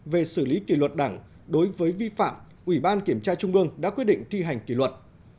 về xử lý kỷ luật đảng đối với vi phạm ủy ban kiểm tra trung ương đã quyết định thi hành kỷ luật